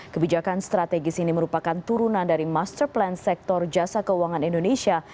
kebijakan strategis ini merupakan turunan dari master plan sektor jasa keuangan indonesia